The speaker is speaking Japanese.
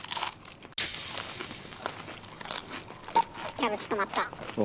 キャベツ止まった。